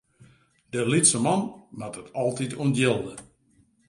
De lytse man moat it altyd ûntjilde.